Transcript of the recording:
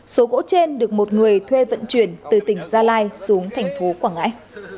số gỗ trên được một người thuê vận chuyển từ tỉnh gia lai xuống thành phố quảng ngãi